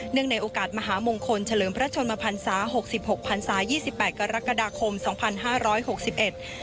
ในโอกาสมหามงคลเฉลิมพระชนมพันศาหกสิบหกพันศายี่สิบแปดกรกฎาคมสองพันห้าร้อยหกสิบเอ็ด